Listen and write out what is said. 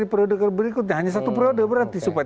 di periode berikutnya hanya satu periode berat di super